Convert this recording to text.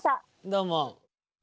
どうも。